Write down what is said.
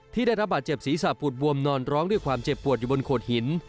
ได้รับบาดเจ็บศีรษะปูดบวมนอนร้องด้วยความเจ็บปวดอยู่บนโขดหิน